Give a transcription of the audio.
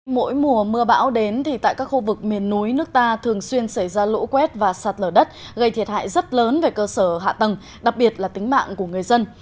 mỗi mùa mưa bão đến thì tại các khu vực miền núi nước ta thường xuyên xảy ra lũ quét và sạt lở đất gây thiệt hại rất lớn về cơ sở hạ tầng đặc biệt là tính mạng của người dân